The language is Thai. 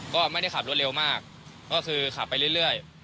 ก็ไม่ได้ขับรถเร็วมากก็คือขับไปเรื่อย